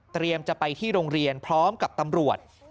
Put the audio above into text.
จะไปที่โรงเรียนพร้อมกับตำรวจ